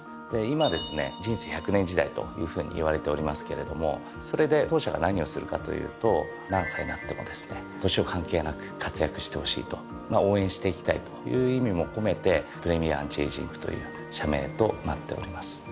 で今ですね人生１００年時代というふうに言われておりますけれどもそれで当社が何をするかというと何歳になってもですね年を関係なく活躍してほしいと応援していきたいという意味も込めてプレミアアンチエイジングという社名となっております。